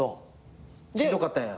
しんどかったんや。